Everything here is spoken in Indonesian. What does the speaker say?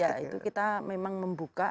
ya itu kita memang membuka